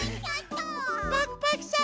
パクパクさん